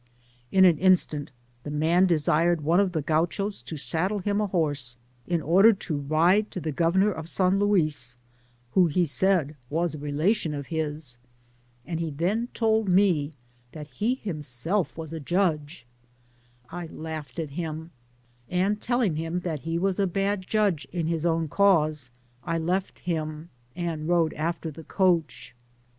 In an instant, the man desired one of the Gauchos to saddle him a horse, in order to ride to the Governor of San Luis, who he said was a relation of his, and. ,he then told me that he was himself a judge. I laughed at him, and telling him that he was a bad judge in his own cause, I left him, and rode after the coach.